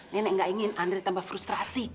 nenek gak ingin andre tambah frustrasi